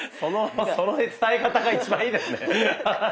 その伝え方が一番いいですね。